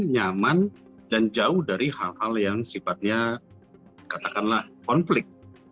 nyaman dan jauh dari hal hal yang sifatnya katakanlah konflik